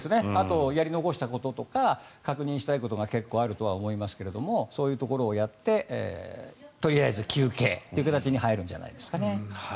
あと、やり残したこととか確認したいことが結構あるとは思いますがそういうところをやってとりあえず休憩という形に入るんじゃないですかね。